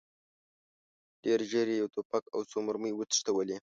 ډېر ژر یې یو توپک او څو مرمۍ وتښتولې.